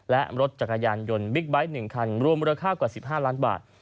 และรถจักรยานยนต์บิ๊กไบท์๑คันรวมมูลค่ากว่า๑๕ล้านบาท